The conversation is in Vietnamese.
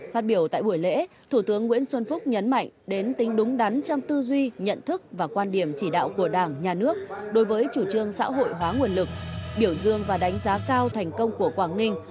phát biểu tại buổi lễ thủ tướng nguyễn xuân phúc nhấn mạnh đến tính đúng đắn trong tư duy nhận thức và quan điểm chỉ đạo của đảng nhà nước đối với chủ trương xã hội hóa nguồn lực biểu dương và đánh giá cao thành công của quảng ninh